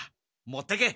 持ってけ。